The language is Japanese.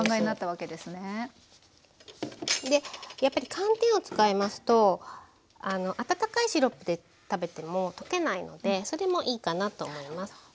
やっぱり寒天を使いますと温かいシロップで食べても溶けないのでそれもいいかなと思います。